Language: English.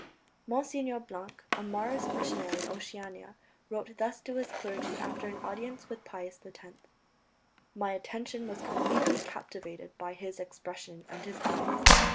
Monsignor Blanc, a Marist missionary in Oceania, wrote thus to his clergy after an audience with Pius X: "My attention was completely captivated by his expression and his eyes.